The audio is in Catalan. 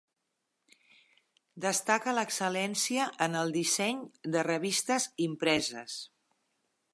Destaca l'excel·lència en el disseny de revistes impreses.